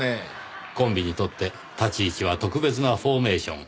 コンビにとって立ち位置は特別なフォーメーション。